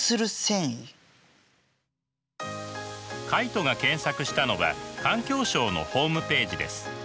カイトが検索したのは環境省のホームページです。